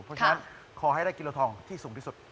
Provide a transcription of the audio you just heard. เพราะฉะนั้นขอให้ได้กิโลทองที่สูงที่สุด